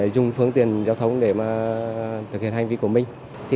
dùng phương tiện giao thông để thực hiện hành vi của mình